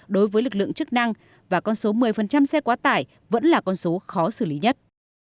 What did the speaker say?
đối với lực lượng chức năng và con số một mươi xe quá tải vẫn là con số khó xử lý nhất